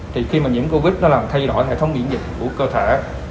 thì khi mà nhiễm covid nó làm thay đổi hệ thống miễn dịch của cơ thể